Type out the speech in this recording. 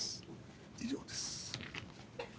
以上です。